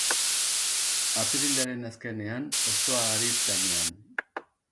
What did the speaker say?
Apirilaren azkenean, hostoa haritz gainean.